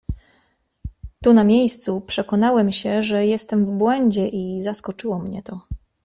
"Tu, na miejscu przekonałem się, że jestem w błędzie i zaskoczyło mnie to."